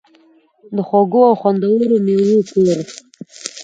د خوږو او خوندورو میوو کور.